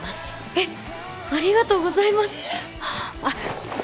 えっありがとうございますあっ私